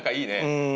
うん。